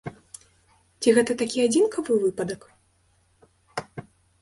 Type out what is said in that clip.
Ці гэта такі адзінкавы выпадак?